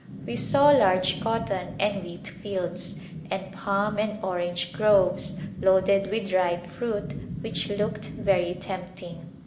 We saw large cotton and wheat fields, and palm and orange groves loaded with ripe fruit which looked very tempting.